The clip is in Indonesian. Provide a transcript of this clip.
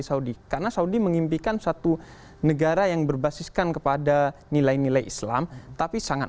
saudi karena saudi mengimpikan satu negara yang berbasiskan kepada nilai nilai islam tapi sangat